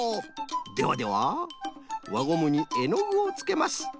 ではでは輪ゴムにえのぐをつけます。